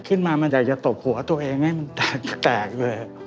ขึ้นมามันอยากจะตบหัวตัวเองให้มันแตกเลย